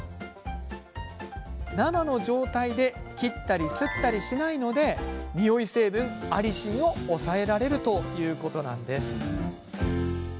生の状態で切ったりすったりしないのでにおい成分アリシンを抑えられるということです。